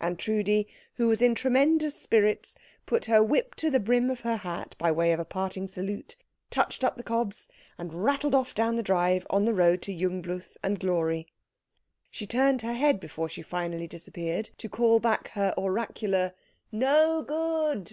And Trudi, who was in tremendous spirits, put her whip to the brim of her hat by way of a parting salute, touched up the cobs, and rattled off down the drive on the road to Jungbluth and glory. She turned her head before she finally disappeared, to call back her oracular "No good!"